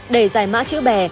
để giải mã chữ bè